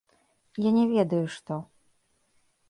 Я не ведаю што.